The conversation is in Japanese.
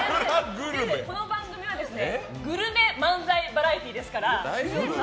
この番組はグルメ漫才バラエティーですから。